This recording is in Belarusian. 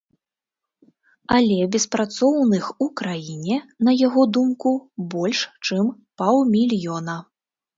Але беспрацоўных у краіне, на яго думку, больш, чым паўмільёна.